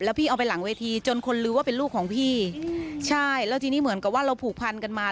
พี่เอาไปหลังเวทีจนคนรู้ว่าเป็นลูกของพี่ใช่แล้วทีนี้เหมือนกับว่าเราผูกพันกันมา